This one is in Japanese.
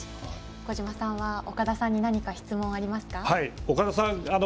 小島さんは、岡田さんに何か質問ありますか？